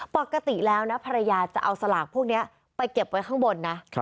ปกติแล้วนะภรรยาจะเอาสลากพวกนี้ไปเก็บไว้ข้างบนนะ